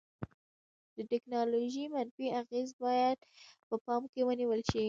د ټیکنالوژي منفي اغیزې باید په پام کې ونیول شي.